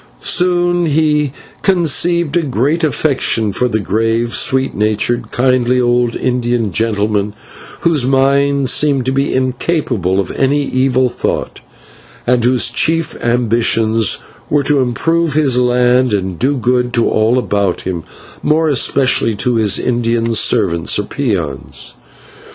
Soon he conceived a great affection for the grave, sweet natured, kindly old Indian gentleman, whose mind seemed to be incapable of any evil thought, and whose chief ambitions were to improve his land and do good to all about him, more especially to his Indian servants or peons.